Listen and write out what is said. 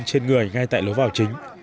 trên người ngay tại lối vào chính